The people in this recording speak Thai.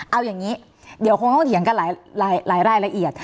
เอาอย่างนี้เดี๋ยวคงต้องเถียงกันหลายรายละเอียด